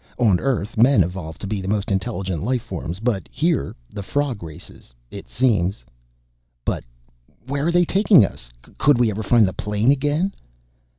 On Earth men evolved to be the most intelligent life forms, but here the frog races, it seems." "But where are they taking us? Could we ever find the plane again?"